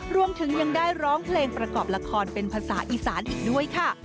รวมถึงยังได้ร้องเพลงประกอบละครเป็นภาษาอีสานอีกด้วยค่ะ